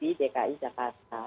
di dki jakarta